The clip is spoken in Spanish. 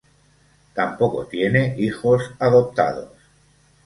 Tampoco tiene hijos adoptados.